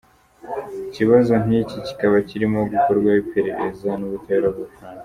Ikibazo nk’iki kikaba kirimo gukorwaho iperereza n’ubutabera bw’u Bufaransa.